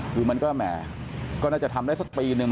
คือมันก็แหมก็น่าจะทำได้สักปีนึง